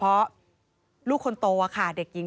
พบหน้าลูกแบบเป็นร่างไร้วิญญาณ